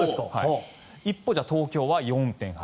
一方、東京は４．８